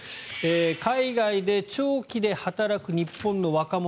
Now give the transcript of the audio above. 海外で長期で働く日本の若者